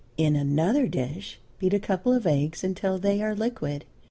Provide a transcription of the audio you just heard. In another dish beat a couple of eggs until they are liquid.